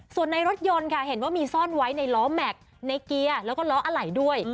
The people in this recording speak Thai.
ส่วนในรถยนต์ค่ะเห็นว่ามีซ่อนไว้ในล้อแม็กซ์ในเกียร์แล้วก็ล้ออะไหล่ด้วย